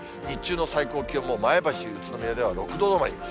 日中の最高気温も前橋、宇都宮では６度止まり。